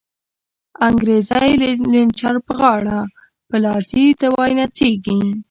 انگریزی لنچر په غاړه، په لار ځی ته وایی نڅیږی